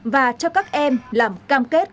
và cho các em làm cam kết